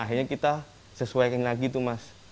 akhirnya kita sesuaikan lagi tuh mas